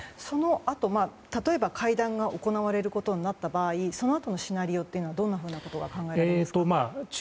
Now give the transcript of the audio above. そのあと、例えば会談が行われることになった場合そのあとのシナリオというのはどんなことが考えられますか？